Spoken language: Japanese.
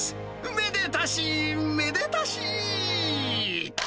めでたしめでたし。